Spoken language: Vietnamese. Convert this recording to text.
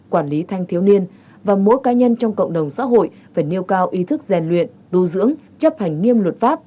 quản lý và tự nhiên đưa xe chế phép